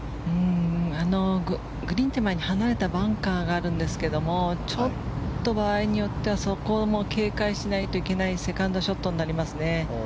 グリーン手前に離れたバンカーがあるんですけどちょっと場合によってはそこも警戒しないといけないセカンドショットになりますね。